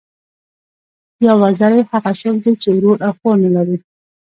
یو وزری، هغه څوک دئ، چي ورور او خور نه لري.